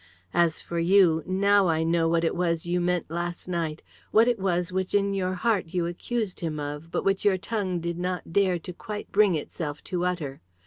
"As for you, now I know what it was you meant last night; what it was which in your heart you accused him of, but which your tongue did not dare to quite bring itself to utter.